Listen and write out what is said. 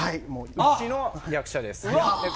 うちの役者です。